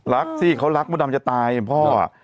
รักสิเขารักมัดดำจะตายพ่ออะ